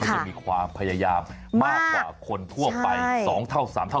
จะมีความพยายามมากกว่าคนทั่วไป๒เท่า๓เท่า